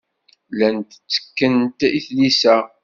Llant ttekkent i tlisa.